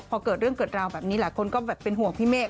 พอเกิดเรื่องเกิดราวแบบนี้หลายคนก็แบบเป็นห่วงพี่เมฆ